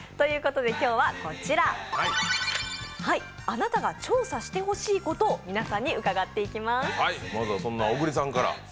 今日はこちら、あなたが調査してほしいことを皆さんに伺っていきます。